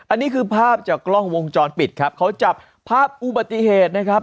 อันนี้คือภาพจากกล้องวงจรปิดครับเขาจับภาพอุบัติเหตุนะครับ